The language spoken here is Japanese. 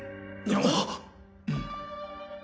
あっ！？